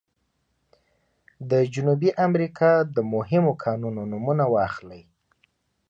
د جنوبي امریکا د مهمو کانونو نومونه واخلئ.